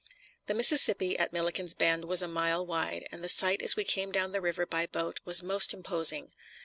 The Mississippi at Milliken's Bend was a mile wide, and the sight as we came down the river by boat was most imposing.